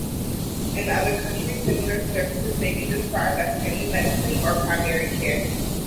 In other countries similar services may be described as family medicine or primary care.